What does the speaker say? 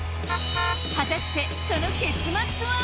果たしてその結末は！？